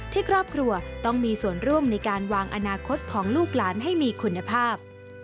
ที่ครอบครัวต้องมีส่วนร่วมในการวางอนาคตของลูกหลานให้มีคุณภาพ